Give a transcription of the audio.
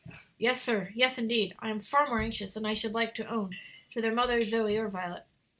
"Yes, sir; yes, indeed. I am far more anxious than I should like to own to their mother, Zoe, or Violet."